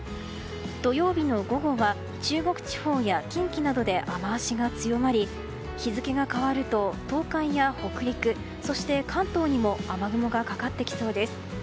土曜日の午後は中国地方や近畿などで雨脚が強まり日付が変わると東海や北陸、そして関東にも雨雲がかかってきそうです。